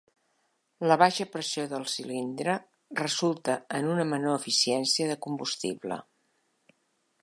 La baixa pressió del cilindre resulta en una menor eficiència del combustible.